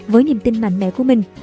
với niềm tin mạnh mẽ của mình